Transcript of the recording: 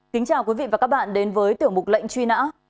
kính chào quý vị và các bạn đến với tiểu mục lệnh truy nã